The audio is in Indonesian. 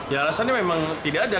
ya alasannya memang tidak ada